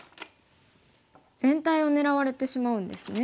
全体を狙われてしまうんですね。